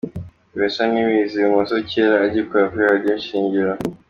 Vincent Niyibizi ibumoso kera agikora kuri Radio Ishingiro.